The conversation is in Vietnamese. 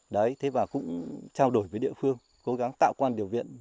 đấy thế và cũng trao đổi với địa phương cố gắng tạo quan điều viện